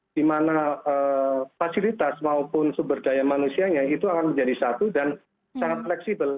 di mana fasilitas maupun sumber daya manusianya itu akan menjadi satu dan sangat fleksibel